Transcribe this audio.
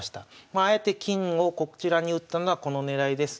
あえて金をこちらに打ったのはこの狙いです。